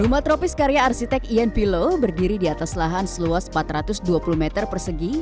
rumah tropis karya arsitek ian pilo berdiri di atas lahan seluas empat ratus dua puluh meter persegi